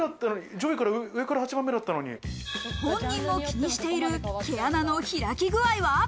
本人も気にしている毛穴の開き具合は？